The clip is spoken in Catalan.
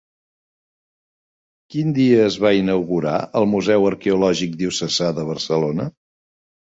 Quin dia es va inaugurar el Museu Arqueològic Diocesà de Barcelona?